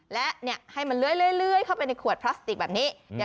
และให้มันเลื้อยเข้าไปในขวดพลาสติกแบบนี้